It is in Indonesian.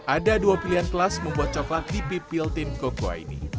ada dua pilihan kelas membuat coklat dipipil tim kokoa ini